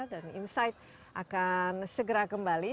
dan insight akan segera kembali